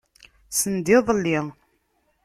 Send iḍelli.